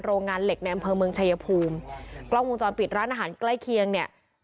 โรงงานเหล็กในอำเภอเมืองชายภูมิกล้องวงจรปิดร้านอาหารใกล้เคียงเนี่ย